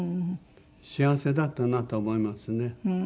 幸せだったなと思いますね。